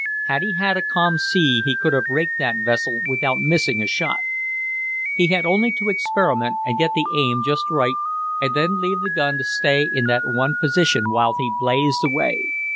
Had he had a calm sea he could have raked that vessel without missing a shot. He had only to experiment and get the aim just right and then leave the gun to stay in that one position while he blazed away.